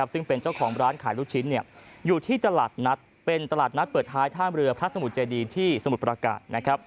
ซึ่งเป็นเจ้าของร้านขายลูกชิ้นอยู่ที่ตลาดนัดเป็นตลาดนัดเปิดท้ายท่ามเรือพระสมุทรเจดีที่สมุทรประกาศ